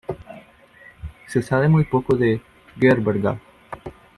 Se sabe muy poco de Gerberga.